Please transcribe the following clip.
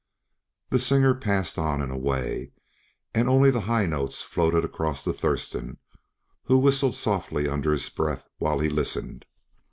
The singer passed on and away, and only the high notes floated across to Thurston, who whistled softly under his breath while he listened.